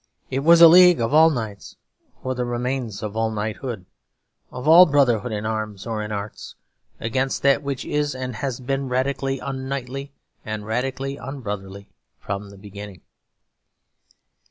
It was a league of all knights for the remains of all knighthood, of all brotherhood in arms or in arts, against that which is and has been radically unknightly and radically unbrotherly from the beginning.